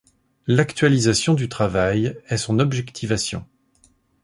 L'actualisation du travail est son objectivation.